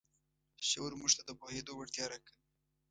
شعور موږ ته د پوهېدو وړتیا راکوي.